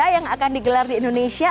yang akan digelar di indonesia